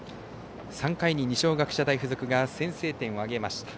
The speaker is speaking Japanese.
３回に二松学舎大付属が先制点を挙げました。